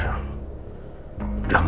seharusnya saya udah tenang ya